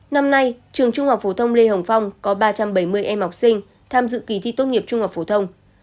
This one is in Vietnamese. năm nay trường trung học phổ thông lê hồng phong có ba trăm bảy mươi em học sinh tham dự kỳ thi tốt nghiệp trung học phổ thông